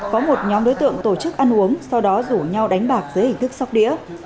có một nhóm đối tượng tổ chức ăn uống sau đó rủ nhau đánh bạc dưới hình thức sóc đĩa